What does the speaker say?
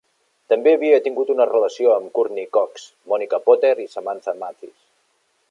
També havia tingut una relació amb Courteney Cox, Monica Potter i Samantha Mathis.